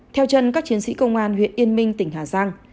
theo chân các chiến sĩ công an huyện yên minh tỉnh hà giang